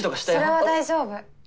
それは大丈夫。